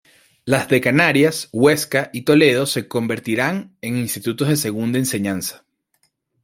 Las de Canarias, Huesca y Toledo se convertirán en institutos de segunda enseñanza".